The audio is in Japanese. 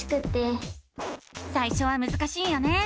さいしょはむずかしいよね！